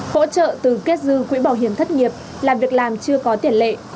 hỗ trợ từ kết dư quỹ bảo hiểm thất nghiệp là việc làm chưa có tiền lệ